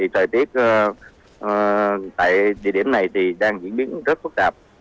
thời tiết tại địa điểm này đang diễn biến rất phức tạp